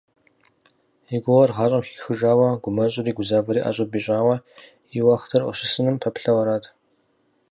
И гугъэр гъащӏэм хихыжауэ, гумэщӏри гузавэри ӏэщӏыб ищӏауэ и уэхътыр къыщысыным пэплъэу ара?